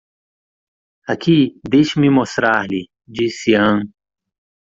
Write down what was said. "Aqui, deixe-me mostrar-lhe", disse Ann.